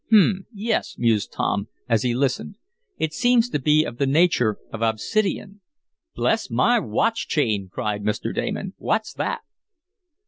"Hum! Yes," mused Tom, as he listened. "It seems to be of the nature of obsidian." "Bless my watch chain!" cried Mr. Damon. "What's that?"